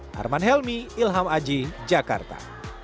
harman helmy ilham aji jakarta